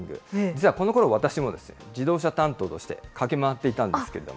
実はこのころ、私も自動車担当として駆け回っていたんですけど。